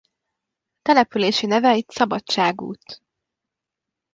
Települési neve itt Szabadság út.